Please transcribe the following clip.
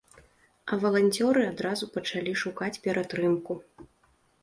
А валанцёры адразу пачалі шукаць ператрымку.